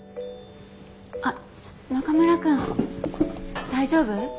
あっ中村くん。大丈夫？